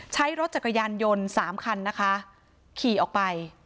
ใช้รถจักรยานยนต์๓คันนะคะขี่ออกไป